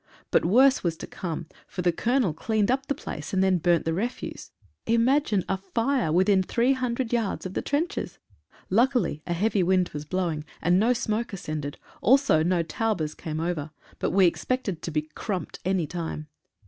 But worse was to come, for the Colonel cleaned up the place and then burnt the refuse. Imagine a fire within three hundred yards of the trenches. Luckily a heavy wind was blowing, and no smoke ascended, also no Taubes came over. But we expected to be "krumped" any time.